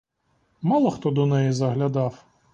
Мало хто до неї заглядав.